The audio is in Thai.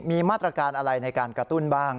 มีมาตรการอะไรในการกระตุ้นบ้าง